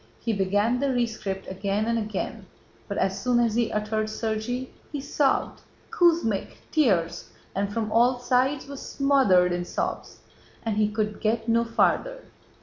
He began the rescript again and again, but as soon as he uttered 'Sergéy' he sobbed, 'Kuz mí ch,' tears, and 'From all sides' was smothered in sobs and he could get no farther.